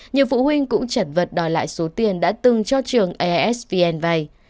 nhiều phụ huynh cũng chật vật đòi lại số tiền đã từng cho trường esvn vay